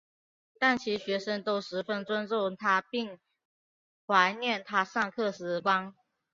但其学生都十分尊敬他并怀念他上课时光。